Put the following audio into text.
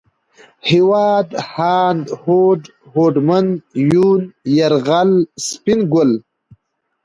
هېواد ، هاند ، هوډ ، هوډمن ، يون ، يرغل ، سپين ګل